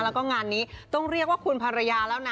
แล้วก็งานนี้ต้องเรียกว่าคุณภรรยาแล้วนะ